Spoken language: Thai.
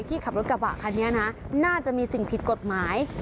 ขับรถกระบะคันนี้นะน่าจะมีสิ่งผิดกฎหมาย